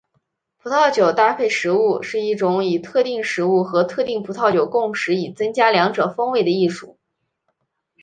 葡萄酒搭配食物是一种以特定食物和特定葡萄酒共食以增加两者风味的艺术。